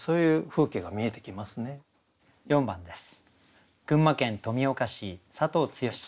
４番です。